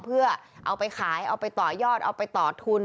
เพื่อเอาไปขายเอาไปต่อยอดเอาไปต่อทุน